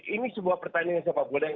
ini sebuah pertanyaan yang saya panggulkan